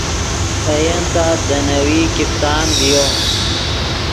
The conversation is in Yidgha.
اے ین تت دے نیوی کیپتان ڤیو